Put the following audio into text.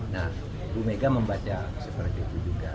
nah bu mega membaca seperti itu juga